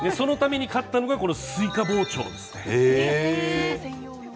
そのために買ったのがこのスイカ包丁です。